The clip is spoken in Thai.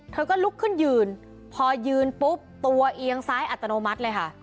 เธอก็ลุกขึ้นยืนพอยืนปุ๊บตัวเอียงซ้ายอัตโนมัติเลยค่ะ